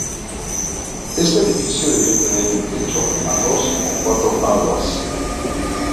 Este edificio debió tener un techo a dos o cuatro aguas.